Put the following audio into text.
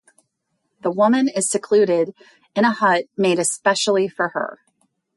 The woman is secluded in a hut made specially for her.